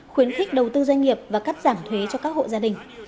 khuyến khích đầu tư doanh nghiệp và cắt giảm thuế cho các hộ gia đình